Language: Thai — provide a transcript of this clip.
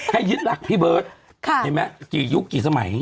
ให้ยึดหลักพี่เบิร์ตเห็นไหมกี่ยุคกี่สมัย